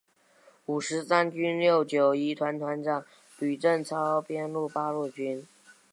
五十三军六九一团团长吕正操编入八路军。